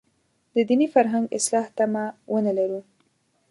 د دیني فرهنګ اصلاح تمه ونه لرو.